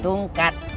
tungkap untuk komanduk